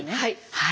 はい。